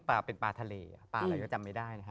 พี่ยังไม่ได้เลิกแต่พี่ยังไม่ได้เลิก